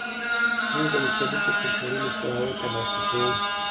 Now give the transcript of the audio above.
موږ د مختلفو کلتورونو پوهاوی ترلاسه کوو.